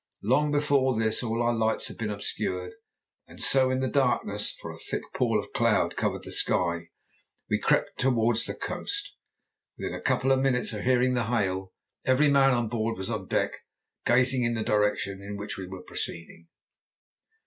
Long before this all our lights had been obscured, and so, in the darkness for a thick pall of cloud covered the sky we crept up towards the coast. Within a couple of minutes of hearing the hail every man on board was on deck gazing in the direction in which we were proceeding.